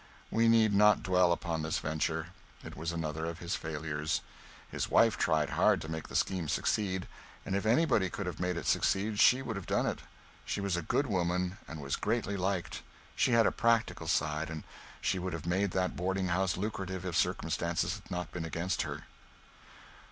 We need not dwell upon this venture. It was another of his failures. His wife tried hard to make the scheme succeed, and if anybody could have made it succeed she would have done it. She was a good woman, and was greatly liked. She had a practical side, and she would have made that boarding house lucrative if circumstances had not been against her.